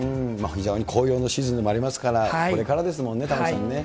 非常に紅葉のシーズンでもありますから、これからですもんね、玉城さんね。